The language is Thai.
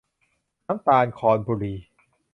น้ำตาลครบุรี